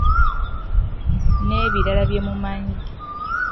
N’ebirala bye mumanyi.